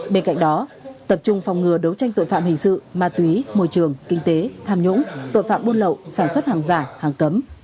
bên cạnh đó tập trung phòng ngừa đấu tranh tội phạm hình sự ma túy môi trường kinh tế tham nhũng tội phạm buôn lậu sản xuất hàng giả hàng cấm